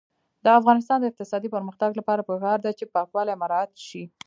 د افغانستان د اقتصادي پرمختګ لپاره پکار ده چې پاکوالی مراعات شي.